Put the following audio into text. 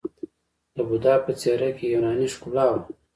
د بودا په څیره کې یوناني ښکلا وه